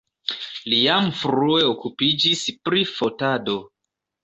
Li jam frue okupiĝis pri fotado.